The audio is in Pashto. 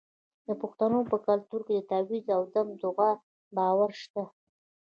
د پښتنو په کلتور کې د تعویذ او دم دعا باور شته.